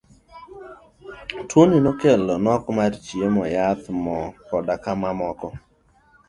Tuo ni nokelo nok mar chiemo, yath, moo koda mamoko.